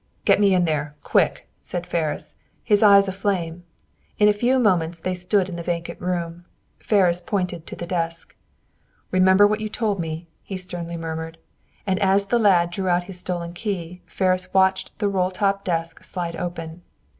"Get me in there, quick!" said Ferris, his eyes aflame. In a few moments they stood in the vacant room. Ferris pointed to the desk. "Remember what you told me!" he sternly murmured. And as the lad drew out his stolen key, Ferris watched the roll top desk slide open.